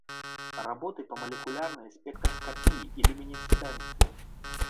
Работы па малекулярнай спектраскапіі і люмінесцэнцыі.